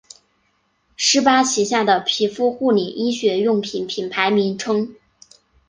施巴旗下的皮肤护理医学用品品牌名称。